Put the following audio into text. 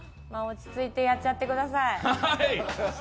落ち着いてやっちゃってください。